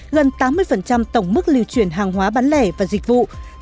gần tám mươi tổng mức lưu chuyển hàng hóa bán lẻ và dịch vụ